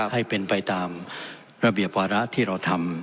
ให้เป็นไปตามระเบียบวาระที่เราทำ